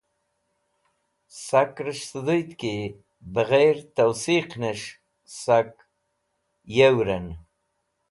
Sakrẽs̃h sẽdhũyd ki beghẽr towsiqnes̃h sak yewrẽn